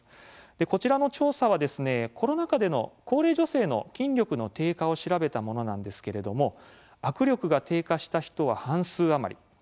こちらの調査はコロナ禍での高齢女性の筋力の低下を調べたものなんですが握力が低下した人は半数余り。